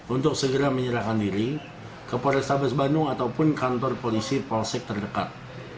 untuk segera menyerahkan diri ke polrestabes bandung ataupun kantor polisi polsek terdekat